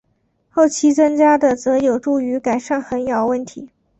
后期增加的则有助于改善横摇问题。